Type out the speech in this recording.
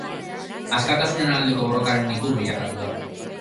Askatasunaren aldeko borrokaren ikur bilakatu da.